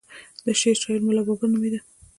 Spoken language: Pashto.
د شعر شاعر ملا بابړ نومېد.